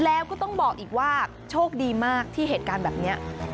แล้วก็ต้องบอกอีกว่าโชคดีมากที่เหตุการณ์แบบนี้